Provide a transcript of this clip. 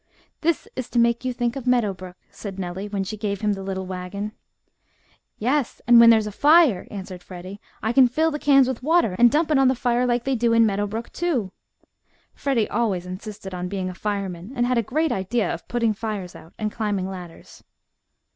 "That is to make you think of Meadow Brook," said Nellie, when she gave him the little wagon. "Yes, and when there's a fire," answered Freddie, "I can fill the cans with water and dump it on the fire like they do in Meadow Brook, too." Freddie always insisted on being a fireman and had a great idea of putting fires out and climbing ladders.